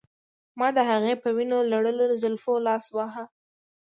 ما د هغې په وینو لړلو زلفو لاس واهه